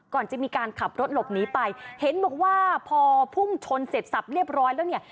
ก่อนจะมีการขับรถหลบหนีไปเห็นบอกว่าพอพุ่งชนเสร็จสับเรียบร้อยแล้วเนี่ย